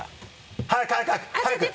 早く早く！